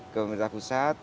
ke pemerintah pusat